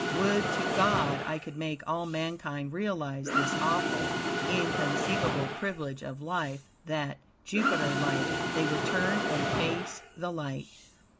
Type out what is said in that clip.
Would to God I could make all mankind realize this awful, inconceivable privilege of life, that, Jupiter like, they would turn and face the light.